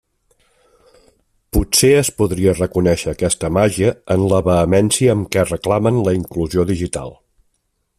Potser es podria reconèixer aquesta màgia en la vehemència amb què reclamen la inclusió digital.